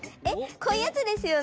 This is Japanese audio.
こういうやつですよね？